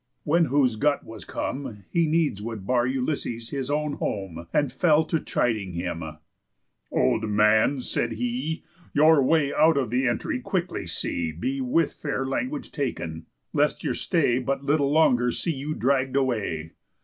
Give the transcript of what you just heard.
When whose gut was come, He needs would bar Ulysses his own home, And fell to chiding him: "Old man," said he, "Your way out of the entry quickly see Be with fair language taken, lest your stay But little longer see you dragg'd away.